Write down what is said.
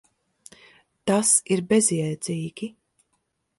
Tas ir bezjēdzīgi.